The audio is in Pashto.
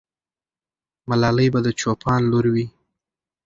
ملالۍ به د چوپان لور وي.